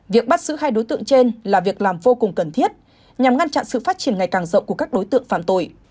việc bắt giữ hai đối tượng trên là việc làm vô cùng cần thiết nhằm ngăn chặn sự phát triển ngày càng rộng của các đối tượng phạm tội